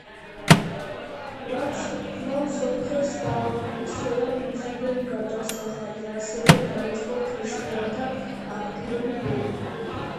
მან სომხებს დააკისრა მძიმე გადასახადი, ასევე დაიწყო ქრისტიანთა აქტიური დევნა.